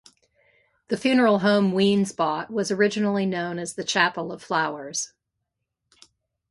The funeral home Wiens bought was originally known as the Chapel of Flowers.